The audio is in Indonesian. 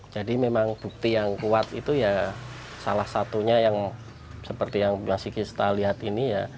jadi memang bukti yang kuat itu salah satunya yang seperti yang mas sikis lihat ini